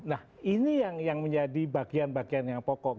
nah ini yang menjadi bagian bagian yang pokok